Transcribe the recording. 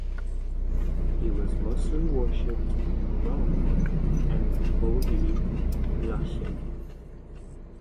He was mostly worshipped in Rome and Bovillae in Latium.